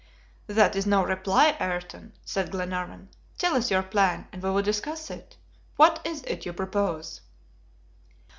"That is no reply, Ayrton," said Glenarvan. "Tell us your plan, and we will discuss it. What is it you propose?"